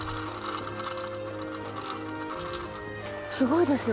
すごいですよ